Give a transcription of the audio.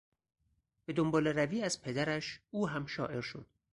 به دنبالهروی از پدرش او هم شاعر شد.